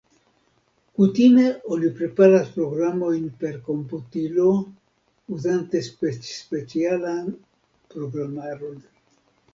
Kutime oni preparas programojn per komputilo uzante specialan programaron.